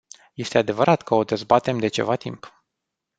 Este adevărat că o dezbatem de ceva timp.